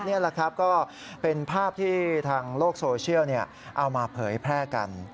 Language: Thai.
นี่แหละครับก็เป็นภาพที่ทางโลกโซเชียลเอามาเผยแพร่กัน